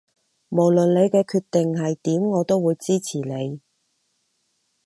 無論你嘅決定係點我都會支持你